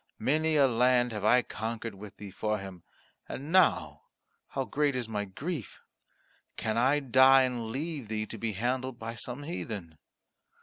Many a land have I conquered with thee for him, and now how great is my grief! Can I die and leave thee to be handled by some heathen?"